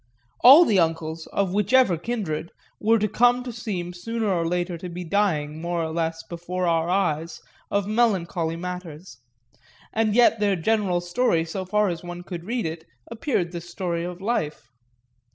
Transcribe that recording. All the uncles, of whichever kindred, were to come to seem sooner or later to be dying, more or less before our eyes, of melancholy matters; and yet their general story, so far as one could read it, appeared the story of life.